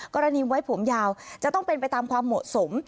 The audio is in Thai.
กรณีไว้ผมยาวจะต้องเป็นไปตามความเหมาะสม